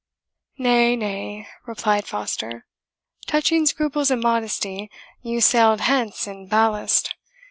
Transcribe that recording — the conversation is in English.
"Nay, nay," replied Foster, "touching scruples and modesty, you sailed hence in ballast.